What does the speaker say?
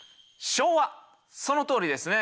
そのとおりですね。